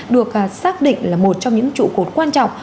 được xác định là một trong những trụ cột quan trọng